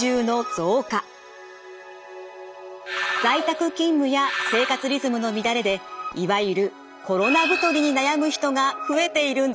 在宅勤務や生活リズムの乱れでいわゆるコロナ太りに悩む人が増えているんです。